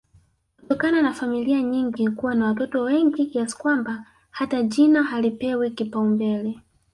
kutokana na familia nyingi kuwa na wototo wengi kiasi kwamba hata jina halipewi kipaumbele